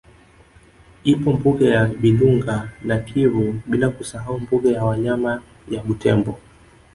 Ipo mbuga ya Bilunga na Kivu bila kusahau mbuga ya wanyama ya Butembo